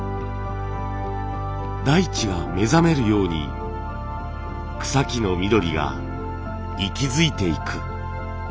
大地が目覚めるように草木の緑が息づいていく。